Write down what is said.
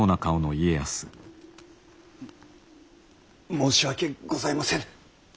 申し訳ございませぬ。